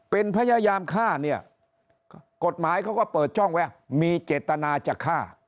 เป็นพยายามฆ่าเนี่ยกฎหมายเขาก็เปิดช่องว่ามีเจตนาจะฆ่า